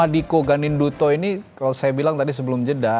diko geng dan duto ini kalau saya bilang tadi sebelum jeda